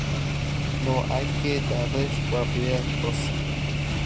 No hay que darles cualquier cosa.